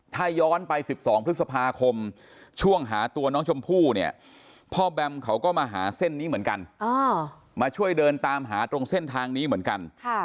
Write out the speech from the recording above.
ถ้าย้อนไป๑๒พฤษภาคมช่วงหาตัวน้องชมพู่เนี่ยพ่อแบมเขาก็มาหาเส้นนี้เหมือนกันมาช่วยเดินตามหาตรงเส้นทางนี้เหมือนกัน